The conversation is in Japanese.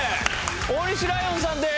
大西ライオンさんです。